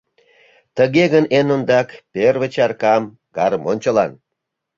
Тыге гын, эн ондак, первый чаркам — гармоньчылан!»